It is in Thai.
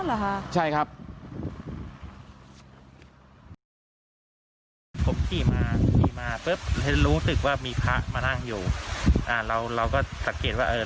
ขี่มาปุ๊บให้รู้สึกว่ามีพระมานั่งอยู่อ่าเราเราก็สังเกตว่าเออ